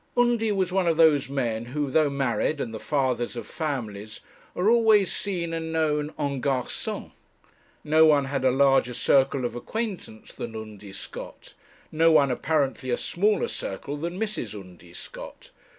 Undy was one of those men who, though married and the fathers of families, are always seen and known 'en garçon'. No one had a larger circle of acquaintance than Undy Scott; no one, apparently, a smaller circle than Mrs. Undy Scott.